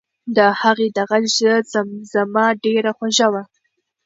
د هغې د غږ زمزمه ډېره خوږه وه.